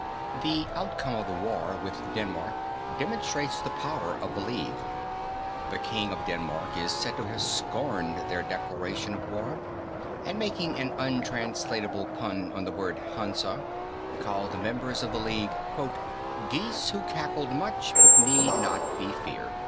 The outcome of the war with Denmark demonstrates the power of the league. The King of Denmark is said to have scorned their declaration of war, and making an untranslatable pun on the word "Hansa" called the members of the League "geese who cackled much but need not be feared."